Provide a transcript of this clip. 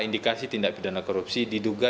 indikasi tindak pidana korupsi diduga